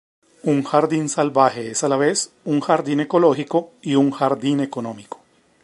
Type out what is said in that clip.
Un jardín salvaje es a la vez un jardín ecológico y un jardín económico.